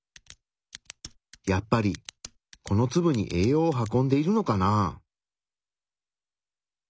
やっぱりこのツブに栄養を運んでいるのかな？